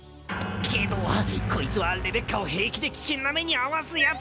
けどこいつはレベッカを平気で危険な目に遭わす奴だ。